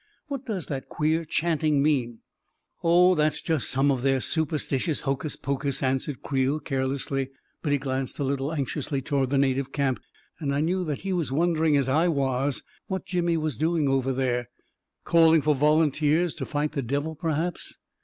What does that queer chanting mean? "" Oh, just some of their superstitious hocus pocus," answered Creel, carelessly; but he glanced a little anxiously toward the native camp, and I knew that he was wondering, as I was, what Jimmy was doing over there. Calling for volunteers to fight the devil, perhaps